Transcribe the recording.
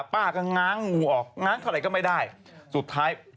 ป้าก็ง้างงูออกง้างเท่าไรก็ไม่ได้